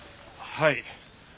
はい。